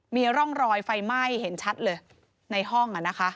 มีร่องรอยไฟไหม้เห็นชัดเลยในห้อง